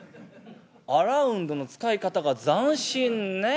アラウンドの使い方が斬新ねえ」。